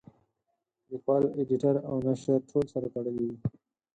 لیکوال اېډیټر او ناشر ټول سره تړلي دي.